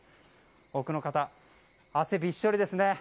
奥の方、汗びっしょりですね。